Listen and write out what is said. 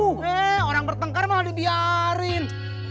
he orang bertengkar mah dibiarin